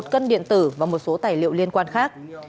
một cân điện tử và một số tài liệu liên quan khác